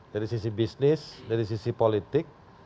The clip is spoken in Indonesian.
dari sisi bisnis dari sisi politik